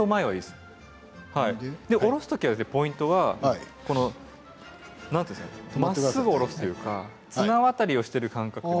下ろすときのポイントはまっすぐ下ろすというか綱渡りをしている感覚で。